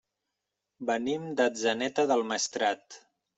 Venim d'Atzeneta del Maestrat.